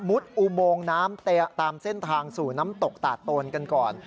อุโมงน้ำตามเส้นทางสู่น้ำตกตาดตนกันก่อน